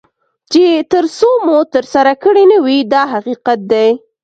چې تر څو مو ترسره کړي نه وي دا حقیقت دی.